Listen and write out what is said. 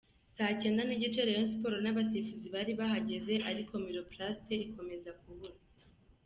Saa cyenda n’igice Rayon Sports n’abasifuzi bari bahageze, ariko Miroplast ikomeza kubura.